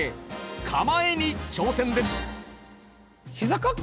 「構え」に挑戦です。